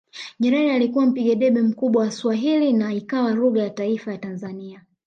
Nyerere alikuwa mpiga debe mkubwa wa Swahili na ikawa lugha ya taifa ya Tanzania